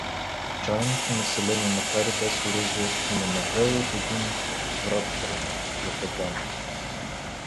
Отчаеното население, макар и без оръжие, не навело от един път врат пред ятагана.